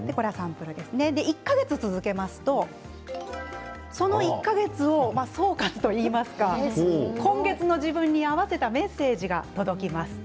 １か月続けますとその１か月を総括といいますか今月の自分に合わせたメッセージが届きます。